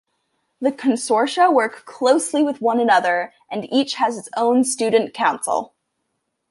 The consortia work closely with one another and each has its own student council.